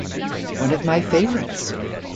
One of my favorites.